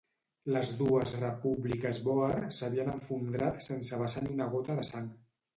Les dues repúbliques bòer s'havien esfondrat sense vessar ni una gota de sang.